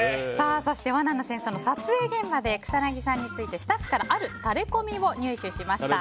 そして「罠の戦争」の撮影現場で草なぎさんについてスタッフからあるタレコミを入手しました。